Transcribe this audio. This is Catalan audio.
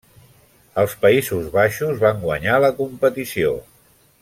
Els Països Baixos van guanyar la competició.